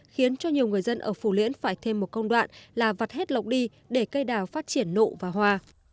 khiến cho nhiều người dân ở phù liễn phải thêm một công đoạn là vặt hết lộc đi để cây đào phát triển nụ và hoa